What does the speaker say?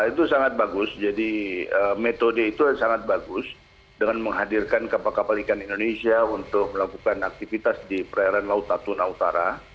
itu sangat bagus jadi metode itu sangat bagus dengan menghadirkan kapal kapal ikan indonesia untuk melakukan aktivitas di perairan laut natuna utara